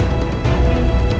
aku akan bantumu